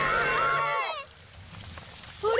あれ？